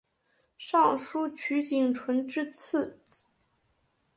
尚书瞿景淳之次子。